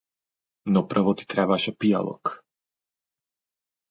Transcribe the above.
Но прво ти требаше пијалок.